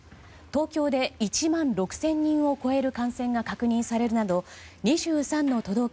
東京で１万６０００人を超える感染が確認されるなど２３の都